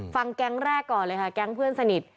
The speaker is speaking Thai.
ฟังแก๊งแรกก่อนเลยค่ะแก๊งเพื่อนสนิท